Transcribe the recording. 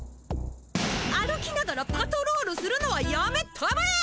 歩きながらパトロールするのはやめたまえ！